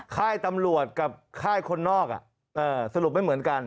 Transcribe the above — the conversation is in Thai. ค่ายตำรวจกับค่ายคนนอกสรุปไม่เหมือนกัน